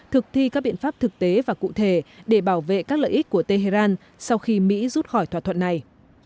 thực thi các biện pháp thực tế và cụ thể để bảo vệ các lợi ích của tehran sau khi mỹ rút khỏi thỏa thuận này